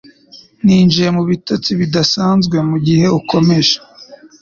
Ninjiye mu bitotsi bidasanzwe mugihe ukomeje;